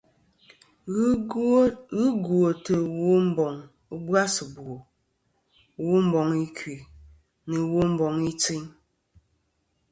Ghɨ gwòtɨ Womboŋ ɨbwas ɨbwò, womboŋ ikui nɨ womboŋ i tsiyn.